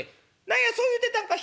「何やそう言うてたんか。